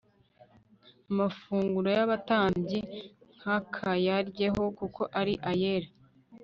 amafunguro y'abatambyi ntakayaryeho kuko ari ayera